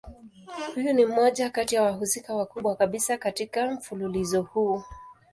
Huyu ni mmoja kati ya wahusika wakubwa kabisa katika mfululizo huu.